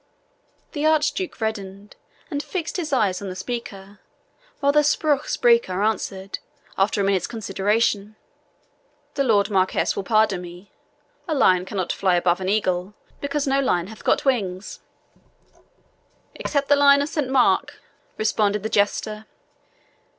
The Archduke reddened, and fixed his eyes on the speaker, while the SPRUCH SPRECHER answered, after a minute's consideration, "The Lord Marquis will pardon me a lion cannot fly above an eagle, because no lion hath got wings." "Except the lion of Saint Mark," responded the jester.